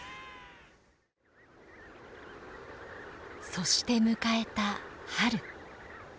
そして迎えた春。